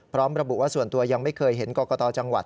พร้อมระบุว่าส่วนตัวยังไม่เคยเห็นกรกตจังหวัด